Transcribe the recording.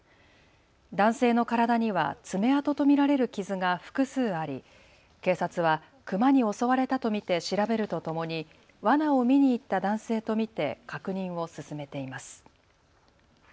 男性の体には爪痕と見られる傷が複数あり、警察はクマに襲われたと見て調べるとともにわなを見に行った男性と見て確認を進めています。